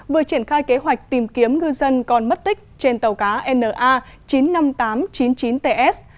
vừa triển khai kế hoạch tìm kiếm ngư dân còn mất tích trên tàu cá na chín mươi năm nghìn tám trăm chín mươi chín ts